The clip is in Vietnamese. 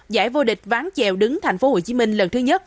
giải vô địch ván chèo đứng thành phố hồ chí minh lần thứ nhất